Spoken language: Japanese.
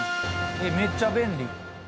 「えっめっちゃ便利」